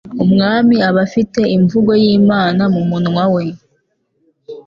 Umwami aba afite imvugo y’Imana mu munwa we